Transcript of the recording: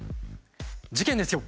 事件ですよ。